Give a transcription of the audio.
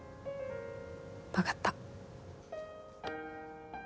わかった。